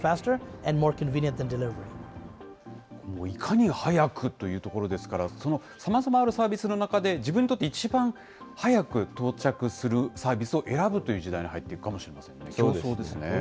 いかに速くというところですから、さまざまあるサービスのある中で、自分にとって一番速く到着するサービスを選ぶという時代に入っていくかもしれませんね、競争ですね。